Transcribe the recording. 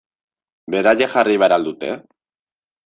Beraiek jarri behar al dute?